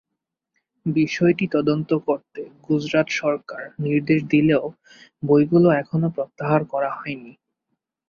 বিষয়টি তদন্ত করতে গুজরাট সরকার নির্দেশ দিলেও বইগুলো এখনো প্রত্যাহার করা হয়নি।